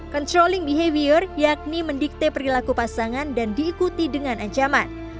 controlling behavior yakni mendikte perilaku pasangan dan diikuti dengan ancaman